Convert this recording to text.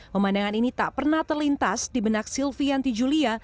pemandangan ini tak pernah terlintas di benak sylvie antijulia